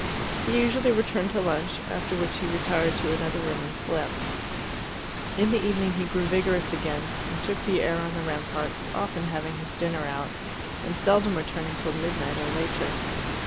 He usually returned to lunch, after which he retired to another room and slept. In the evening he grew vigorous again, and took the air on the ramparts, often having his dinner out, and seldom returning till midnight or later.